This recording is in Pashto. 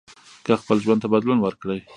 که خپل ژوند ته بدلون ورکړئ